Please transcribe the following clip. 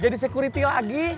jadi security lagi